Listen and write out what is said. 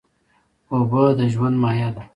اوبه د ژوند مایه ده.